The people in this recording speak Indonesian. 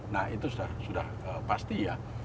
nah itu sudah pasti ya